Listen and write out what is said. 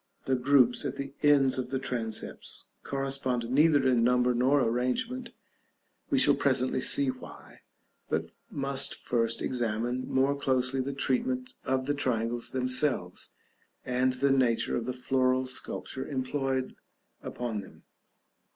The groups at the ends of the transepts correspond neither in number nor arrangement; we shall presently see why, but must first examine more closely the treatment of the triangles themselves, and the nature of the floral sculpture employed upon them.